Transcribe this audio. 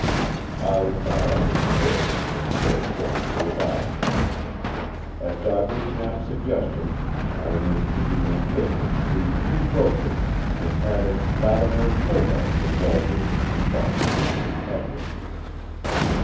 I thought I understood, and sallied forth for the battle. At Doddridge Knapp's suggestion I arranged to do my business through three brokers, and added Lattimer and Hobart to Wallbridge, and Bockstein and Eppner.